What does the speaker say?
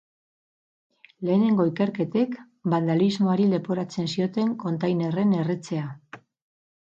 Lehenengo ikerketek bandalismoari leporatzen zioten kontainerren erretzea.